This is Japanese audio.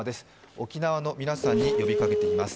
沖縄の皆さんに呼びかけています。